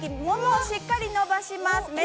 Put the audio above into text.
ももはしっかり伸ばします。